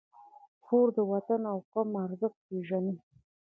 خور د وطن او قوم ارزښت پېژني.